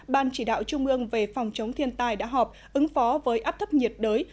ban chỉ đạo trung ương về phòng chống thiên tai đã họp ứng phó với áp thấp nhiệt đới